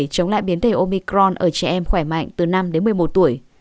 chống lại biến thể omicron ở trẻ em khỏe mạnh từ năm đến một mươi một tuổi